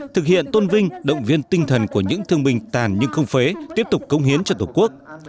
thực hiện tôn vinh động viên tinh thần của những thương binh tàn nhưng không phế tiếp tục công hiến cho tổ quốc